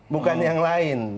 bukan yang lain